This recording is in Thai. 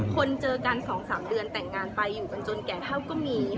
คนเจอกัน๒๓เดือนแต่งงานไปอยู่กันจนแก่เท่าก็มี